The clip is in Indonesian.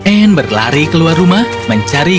anne berlari keluar rumah mencari